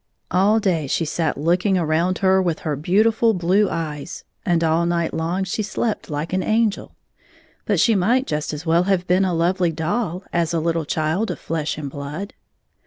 All day she sat looking around her with her beautiftil blue eyes, and all night long she slept like an angel, but she might just as well have been a lovely doll as a little child of flesh and blood.